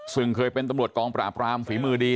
ซึ่งเคยเป็นตำรวจกองปราบรามฝีมือดี